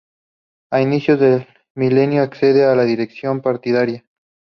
A inicios del milenio accede a la dirección partidaria.